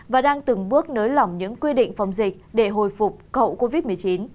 và đang từng bước nới lỏng những quy định phòng dịch để hồi phục hậu covid một mươi chín